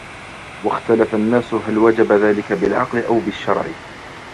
وَاخْتَلَفَ النَّاسُ هَلْ وَجَبَ ذَلِكَ بِالْعَقْلِ أَوْ بِالشَّرْعِ